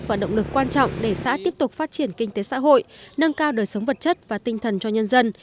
và động lực quan trọng để xã tiếp tục phát triển kinh tế xã hội nâng cao đời sống vật chất và tinh thần cho nhân dân